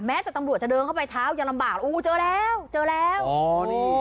ตำรวจจะเดินเข้าไปเท้ายังลำบากอู้เจอแล้วเจอแล้วอ๋อนี่